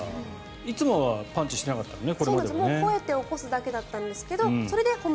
いつもはパンチしてなかったんだよね。